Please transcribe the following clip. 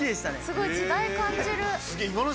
すごい時代感じる。